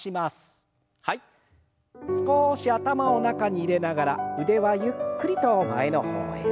少し頭を中に入れながら腕はゆっくりと前の方へ。